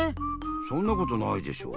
そんなことないでしょ。